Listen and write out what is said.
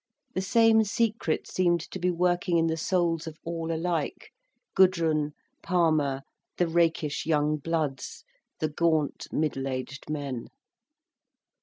The same secret seemed to be working in the souls of all alike, Gudrun, Palmer, the rakish young bloods, the gaunt, middle aged men.